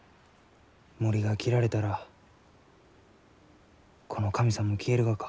森が切られたらこの神さんも消えるがか？